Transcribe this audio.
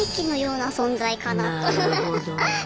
なるほど。